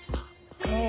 へえ。